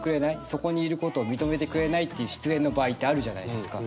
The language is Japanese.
そこにいることを認めてくれないっていう失恋の場合ってあるじゃないですか。